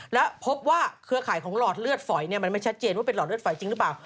แล้วพบว่าเครือข่ายของหลอดเลือดฝอยมันไม่ชัดเจนว่าเป็นหลอดเลือดฝอยจริงหรือเปล่า